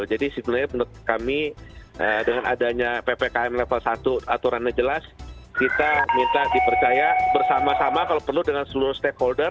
jadi sebenarnya menurut kami dengan adanya ppkm level satu aturannya jelas kita minta dipercaya bersama sama kalau perlu dengan seluruh stakeholder